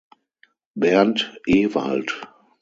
Bernd Ewald.